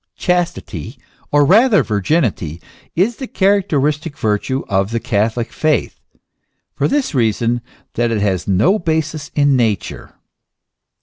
261 Chastity, or rather virginity, is the characteristic virtue of the Catholic faith, for this reason, that it has no basis in Nature.